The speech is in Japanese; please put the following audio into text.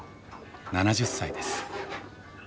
７０歳です。